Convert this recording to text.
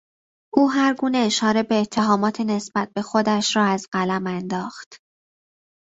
او هر گونه اشاره به اتهامات نسبت به خودش را از قلم انداخت.